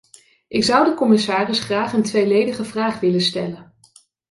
Ik zou de commissaris graag een tweeledige vraag willen stellen.